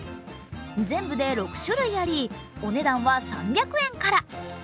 全部で６種類あり、お値段は３００円から。